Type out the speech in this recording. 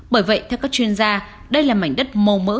bởi vậy theo các chuyên gia đây là mảnh đất màu mỡ